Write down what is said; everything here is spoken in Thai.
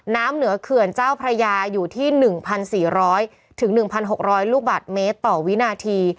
เหนือเขื่อนเจ้าพระยาอยู่ที่๑๔๐๐๑๖๐๐ลูกบาทเมตรต่อวินาที